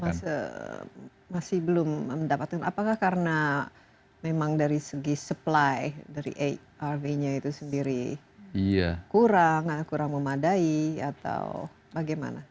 masih belum mendapatkan apakah karena memang dari segi supply dari arv nya itu sendiri kurang memadai atau bagaimana